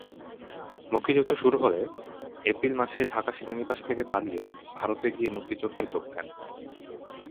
মুক্তিযুদ্ধ শুরু হলে এপ্রিল মাসে ঢাকা সেনানিবাস থেকে পালিয়ে ভারতে গিয়ে মুক্তিযুদ্ধে যোগ দেন।